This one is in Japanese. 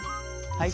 はい